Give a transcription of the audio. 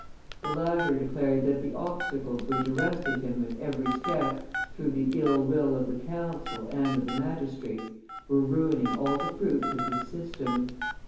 The latter declared that the obstacles which arrested him at every step through the ill will of the Council and of the magistrates, were ruining all the fruits of his system.